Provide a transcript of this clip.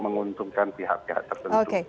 menguntungkan pihak pihak tertentu